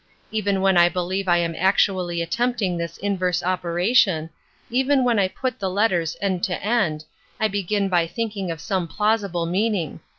Even when I believe I am actually attempt ing this inverse operation, even when I put the letters end to end, I begin by thinking of some plausible meaning.